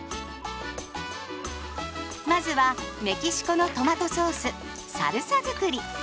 まずはメキシコのトマトソースサルサづくり。